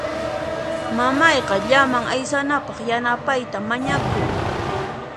Mamayqa llaman aysanapaq yanapayta mañakun.